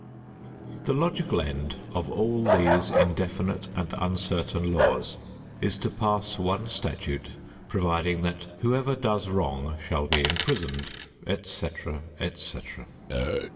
The logical end of all these indefinite and uncertain laws is to pass one statute providing that whoever does wrong shall be imprisoned, et cetera, et cetera.